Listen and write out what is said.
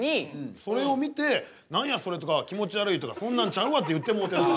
それを見て何やそれとか気持ちわるいとかそんなんちゃうわって言ってもうてる。